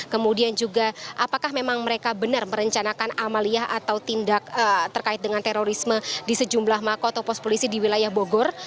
kemudian juga apakah memang mereka benar merencanakan amaliyah atau tindak terkait dengan terorisme di sejumlah mako atau pos polisi di wilayah bogor